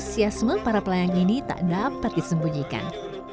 meski panas terik antusiasme para pelayang ini tak dapat disembunyikan